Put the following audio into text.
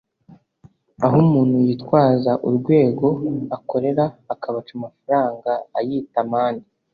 aho umuntu yitwaza urwego akorera akabaca amafaranga ayita amande